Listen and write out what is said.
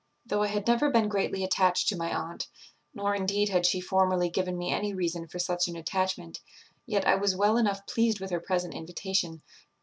"Though I had never been greatly attached to my aunt, nor indeed had she formerly given me any reason for such an attachment, yet I was well enough pleased with her present invitation.